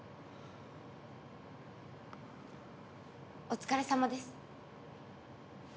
・お疲れさまです。